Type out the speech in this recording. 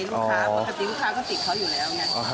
ปกติลูกค้าก็ติดเขาอยู่แล้ว